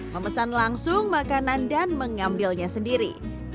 memesan langsung makanan dan mengambilnya sendiri